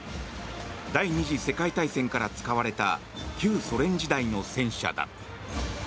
第２次世界大戦から使われた旧ソ連時代の戦車だ。